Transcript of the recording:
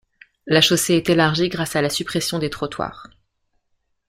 La chaussée est élargie grâce à la suppression des trottoirs.